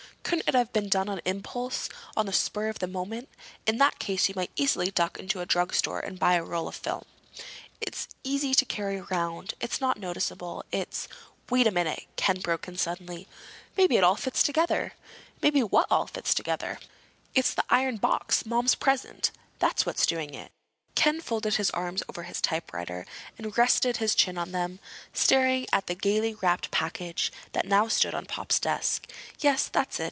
"Couldn't it have been done on impulse—on the spur of the moment? In that case you might easily duck into a drugstore and buy a roll of film. It's easy to carry around. It's not noticeable. It's—" "Wait a minute!" Ken broke in suddenly. "Maybe it all fits together!" "Maybe all what fits together?" "It's the iron box—Mom's present! That's what's doing it." Ken folded his arms over his typewriter and rested his chin on them, staring at the gaily wrapped package that now stood on Pop's desk. "Yes, that's it.